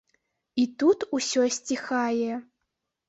І тут усё сціхае.